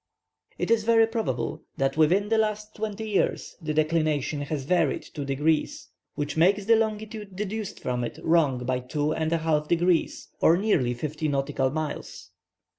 It is very probable that within the last twenty years the declination has varied two degrees, which makes the longitude deduced from it wrong by two and a half degrees, or nearly fifty nautical miles.